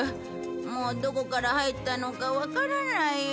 もうどこから入ったのかわからないよ。